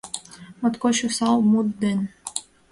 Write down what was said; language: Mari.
Моткоч осал мут ден.